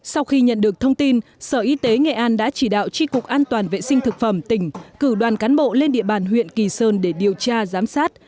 sau khi nhận được thông tin sở y tế nghệ an đã chỉ đạo tri cục an toàn vệ sinh thực phẩm tỉnh cử đoàn cán bộ lên địa bàn huyện kỳ sơn để điều tra giám sát